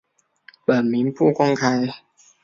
本名不公开。